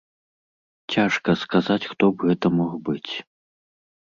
Цяжка сказаць, хто б гэта мог быць.